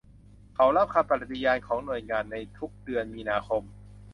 เขารับคำปฏิญาณของหน่วยงานในทุกเดือนมีนาคม